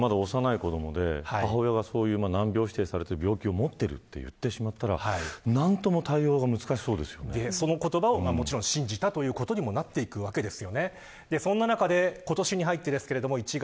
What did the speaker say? まだ幼い子どもで母親がそういう難病指定された病気を持っていると言ってしまったらその言葉をもちろん信じたということにもなっていくわけです。